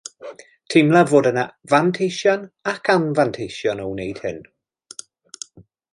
Teimlaf fod yna fanteision ac anfanteision o wneud hyn